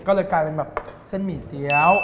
ก็เลยกลายเป็นแบบเส้นหมี่เกี้ยว